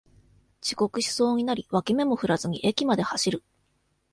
遅刻しそうになり脇目も振らずに駅まで走る